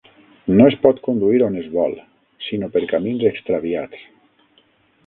No es pot conduir on es vol, sinó per camins extraviats.